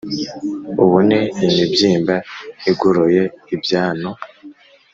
ubone imibyimba igoroye ibyano